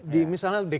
di misalnya dki